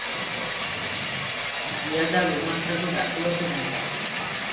ପିଆଦା ଗୁମାସ୍ତାକୁ ଡାକିବାକୁ ଧାଇଁଲା ।